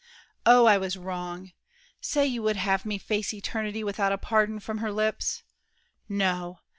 Oh, I was wrong! Say, would you have me face Eternity without a pardon from Her lips? No!